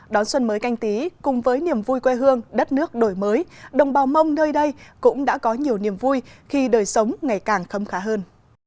đón xuân mới canh tí cùng với niềm vui quê hương đất nước đổi mới đồng bào mông nơi đây cũng đã có nhiều niềm vui khi đời sống ngày càng khâm khá hơn